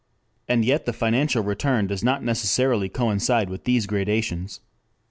And yet the financial return does not necessarily coincide with these gradations.